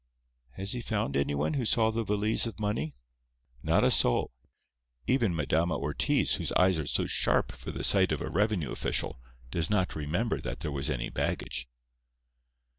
"Has he found anyone who saw the valise of money?" "Not a soul. Even Madama Ortiz, whose eyes are so sharp for the sight of a revenue official, does not remember that there was any baggage."